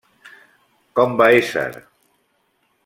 Com va ésser?